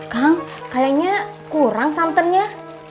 kang kayaknya kurang santannya